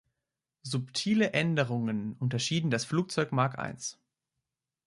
Subtile Änderungen unterschieden das Flugzeug Mark I.